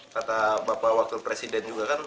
kata bapak wakil presiden juga kan